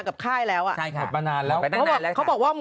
มันยังไม่เป็นหนุ่ม